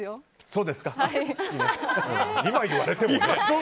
そうですか。